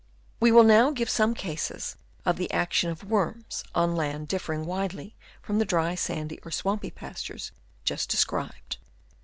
We will now give some cases of the action of worms, on land differing widely from the dry sandy or the swampy pastures just described.